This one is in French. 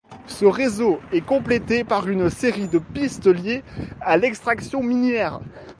Ce réseau est complété par une série de pistes liées à l'extraction minière.